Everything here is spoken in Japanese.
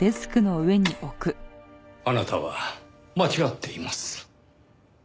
あなたは間違っています。